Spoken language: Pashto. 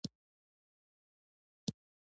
زه به د دوی په اړه رښتیا ویل پرېږدم